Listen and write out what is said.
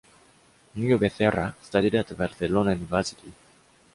Niño Becerra studied at the Barcelona University.